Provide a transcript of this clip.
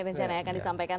rencana yang akan disampaikan